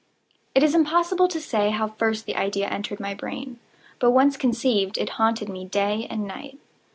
It is impossible to say how first the idea entered my brain; but once conceived, it haunted me day and night.